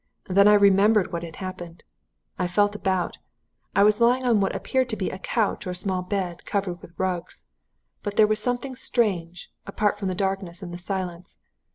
Then I remembered what had happened. I felt about I was lying on what appeared to be a couch or small bed, covered with rugs. But there was something strange apart from the darkness and the silence.